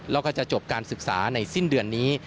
แล้วก็จะจบการศึกษาในสิ้นเดือนนี้